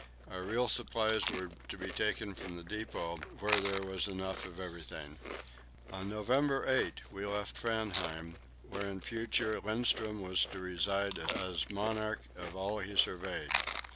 Our real supplies were to be taken from the depot, where there was enough of everything. On November 8 we left Framheim, where in future Lindström was to reside as monarch of all he surveyed.